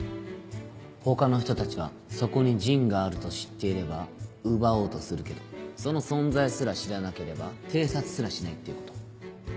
他の人たちはそこに陣があると知っていれば奪おうとするけどその存在すら知らなければ偵察すらしないっていうこと。